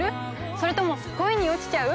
それとも恋に落ちちゃう？